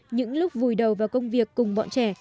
những lúc vùi đầu vào công việc cùng bọn trẻ